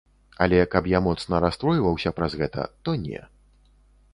Але каб я моцна расстройваўся праз гэта, то не.